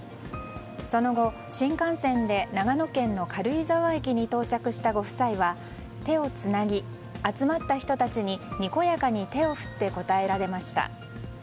その後、新幹線で長野県の軽井沢駅に到着したご夫妻は手をつなぎ、集まった人たちににこやかに手を振って応えられました。